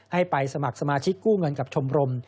ให้ไปสมัครสมาชิกกู้เงินกับชมรม